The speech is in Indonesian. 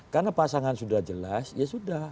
karena pasangan sudah jelas ya sudah